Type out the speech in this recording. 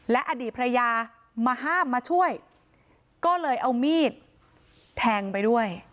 และอดีตภรรยามาห้ามมาช่วยก็เลยเอามีดแทงไปด้วย